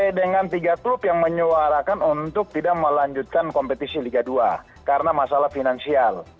saya dengan tiga klub yang menyuarakan untuk tidak melanjutkan kompetisi liga dua karena masalah finansial